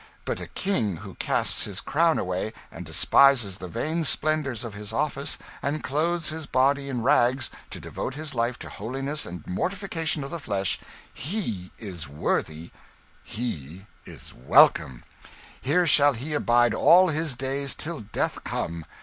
But a King who casts his crown away, and despises the vain splendours of his office, and clothes his body in rags, to devote his life to holiness and the mortification of the flesh he is worthy, he is welcome! here shall he abide all his days till death come."